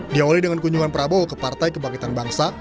diawali dengan kunjungan prabowo ke partai kebangkitan bangsa